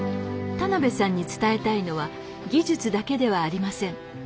田邉さんに伝えたいのは技術だけではありません。